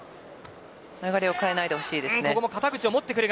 流れを変えないでほしいです。